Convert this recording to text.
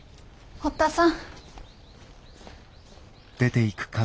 堀田さん。